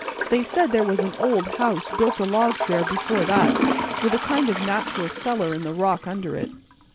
They said there was an old house built o' logs there before that, with a kind of natural cellar in the rock under it.